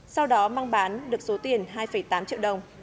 sau đó mang bán được số tiền hai tám triệu đồng